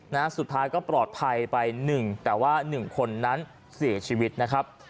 นะฮะสุดท้ายก็ปลอดภัยไปหนึ่งแต่ว่าหนึ่งคนนั้นเสียชีวิตนะครับ